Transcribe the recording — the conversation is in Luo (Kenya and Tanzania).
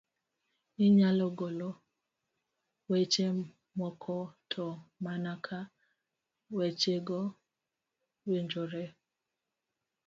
inyalo golo weche moko to mana ka wechego winjore.